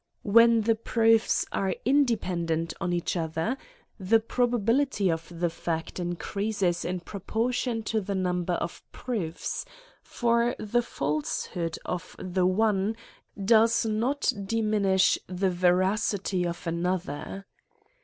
When the proofs are independent on each other, tlie probability of the fact increases in proportion to the number of Joroofs ; for the falshood of the one does not dimi nish the veracity of another.